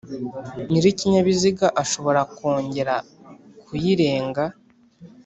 Nyir’ikinyabiziga ashobora kwongera kuyirenga